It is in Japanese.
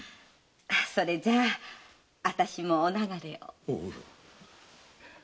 それじゃ私もお流れを。